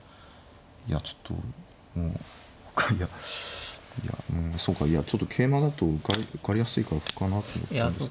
いやちょっともういやいやうんそうかちょっと桂馬だと受かりやすいから歩かなと思ったんですけど。